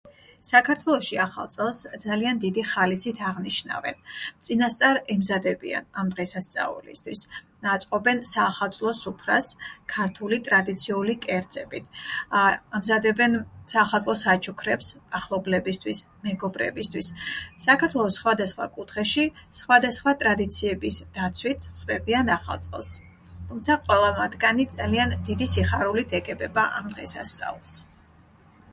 საქართველოში ახალ წელს ძალიან დიდი ხალისით აღნიშნავენ, წინასწარ ემზადებიან ამ დღესასწაულისთვის, აწყობენ საახალწლო სუფრას ქართული ტრადიციული კერძებით, ამზადებენ საახალწლო საჩუქრებს ახლობლებისთვის, მეგობრებისთვის. საქართველოს სხვადასხვა კუთხეში სხვადასხვა ტრადიციების დაცვით ხვდებიან ახალ წელს, თუმცა ყველა მათგანი ძალიან დიდი სიხარულით ეგებება ამ დღესასწაულს.